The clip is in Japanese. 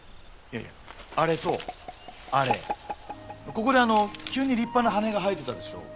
ここで急に立派な羽が生えてたでしょ？